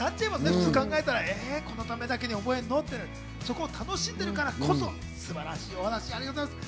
普通考えたら、このためだけに覚えるの？ってそこを楽しんでいるからこそ、素晴らしいお話ありがとうございます。